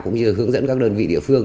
cũng như hướng dẫn các đơn vị địa phương